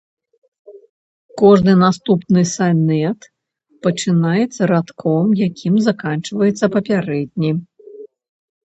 Кожны наступны санет пачынаецца радком, якім заканчваецца папярэдні.